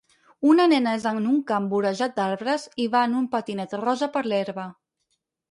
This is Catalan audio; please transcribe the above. Una nena és en un camp vorejat d'arbres i va en un patinet rosa per l'herba